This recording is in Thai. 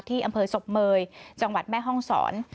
ที่อำเภอศพเมยจังหวัดแม่ห้องศร